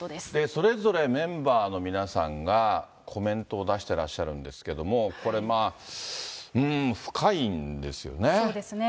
それぞれメンバーの皆さんがコメントを出してらっしゃるんですけれども、これ、まあ、うーん、深いんですよね。